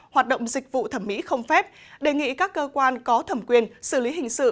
hoạt động dịch vụ thẩm mỹ không phép đề nghị các cơ quan có thẩm quyền xử lý hình sự